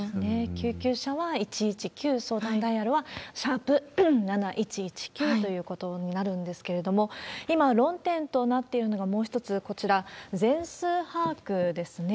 救急車は１１９、相談ダイヤルは＃７１１９ということになるんですけれども、今、論点となっているのがもう一つ、こちら、全数把握ですね。